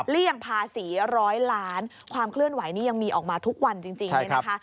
เลี่ยงภาษีร้อยล้านความเคลื่อนไหวนี่ยังมีออกมาทุกวันจริงเลยนะคะ